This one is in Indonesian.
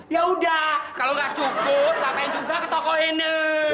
yaudah kalau gak cukup katain juga ke toko henne